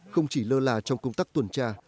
không chỉ lơ là trong công tác tuần tra